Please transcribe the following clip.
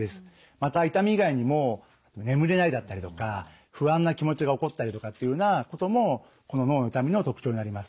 また痛み以外にも眠れないだったりとか不安な気持ちが起こったりとかっていうようなこともこの脳の痛みの特徴になります。